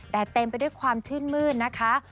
แต่เต็มไปด้วยความชื่นมืดนะคะ